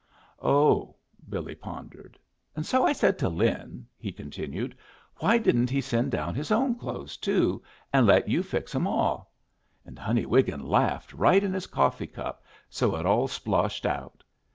"Oh!" Billy pondered. "And so I said to Lin," he continued, "why didn't he send down his own clothes, too, an' let you fix 'em all. And Honey Wiggin laughed right in his coffee cup so it all sploshed out.